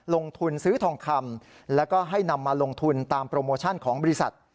ลงทุนซื้อทองคำแล้วก็ให้นำมาลงทุนตามโปรโมชั่นของบริษัท